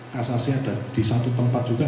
kasasi ada di satu tempat juga